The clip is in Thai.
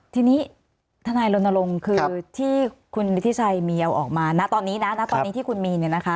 ทีนี้ทนายรณรงค์คือที่คุณฤทธิชัยมีเอาออกมานะตอนนี้นะณตอนนี้ที่คุณมีเนี่ยนะคะ